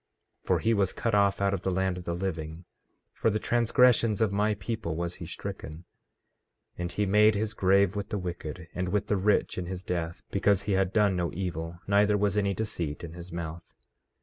For he was cut off out of the land of the living; for the transgressions of my people was he stricken. 14:9 And he made his grave with the wicked, and with the rich in his death; because he had done no evil, neither was any deceit in his mouth.